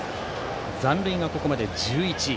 残塁がここまで１１。